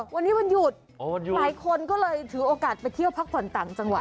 วันนี้วันหยุดหลายคนก็เลยถือโอกาสไปเที่ยวพักผ่อนต่างจังหวัด